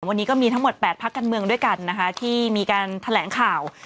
วันนี้ก็มีทั้งหมด๘พักการเมืองด้วยกันนะคะที่มีการแถลงข่าว